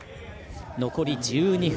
残り１２分。